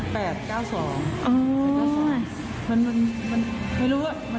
มันชอบเลขนี้